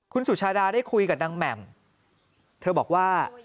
คุณสุชาดาได้คุยกับนางแหม่มเธอบอกว่า